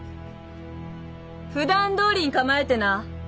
ふだんどおりに構えてな。